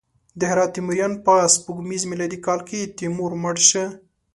د هرات تیموریان: په سپوږمیز میلادي کال کې تیمور مړ شو.